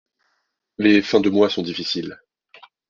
Les fins de mois sont difficiles.